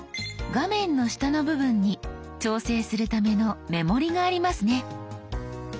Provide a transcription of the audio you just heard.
画面の下の部分に調整するための目盛りがありますね。